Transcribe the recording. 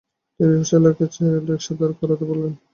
তিনি রিকশাওয়ালাকে ছায়ায় নিয়ে রিকশা দাঁড় করাতে বললেন।